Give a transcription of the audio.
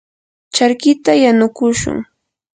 charkita yanukushun.